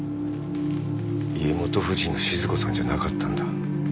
家元夫人の志津子さんじゃなかったんだ。